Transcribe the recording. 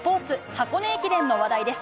箱根駅伝の話題です。